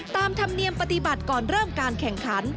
ธรรมเนียมปฏิบัติก่อนเริ่มการแข่งขัน